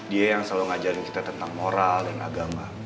dia yang selalu ngajarin kita tentang moral dan agama